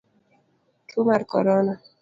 Tuo mar korona